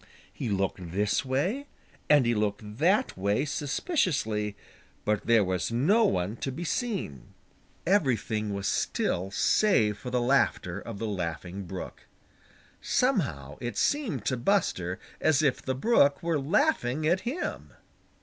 He looked this way and he looked that way suspiciously, but there was no one to be seen. Everything was still save for the laughter of the Laughing Brook. Somehow, it seemed to Buster as if the Brook were laughing at him.